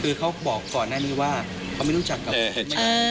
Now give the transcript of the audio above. คือเขาบอกก่อนหน้านี้ว่าเขาไม่รู้จักกับ